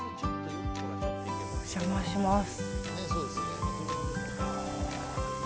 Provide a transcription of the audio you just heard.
お邪魔します。